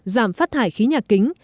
giảm phát thải khí nhà kính